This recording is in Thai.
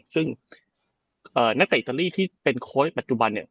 ซึ่งนักเตะอิตาลีที่เป็นโค้ชปัจจุบันเนี่ย